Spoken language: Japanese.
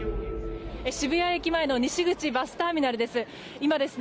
渋谷駅前の西口バスターミナルです。